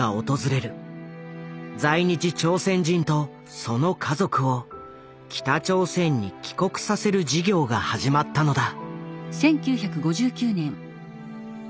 在日朝鮮人とその家族を北朝鮮に帰国させる事業が始まったのだ。